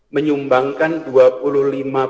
menyumbangkan dua puluh lima persen